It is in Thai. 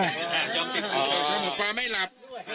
หมัดหนักใช่ไหมครับ